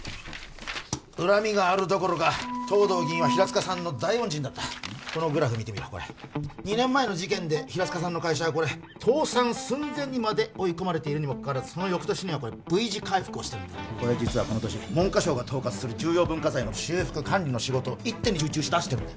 恨みがあるどころか藤堂議員は平塚さんの大恩人だったこのグラフ見てみろこれ２年前の事件で平塚さんの会社は倒産寸前にまで追い込まれているにもかかわらずその翌年にはＶ字回復をしてるんだ実はこの年文科省が統括する重要文化財の修復管理の仕事を一手に受注しだしてるんだ